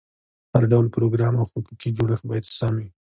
هر ډول پروګرام او حقوقي جوړښت باید سم وي.